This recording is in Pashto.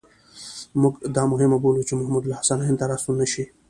موږ دا مهمه بولو چې محمود الحسن هند ته را ستون نه شي.